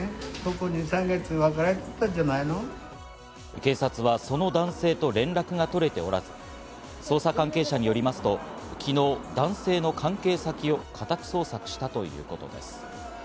警察はその男性と連絡が取れておらず、捜査関係者によりますと、昨日、男性の関係先を家宅捜索したということです。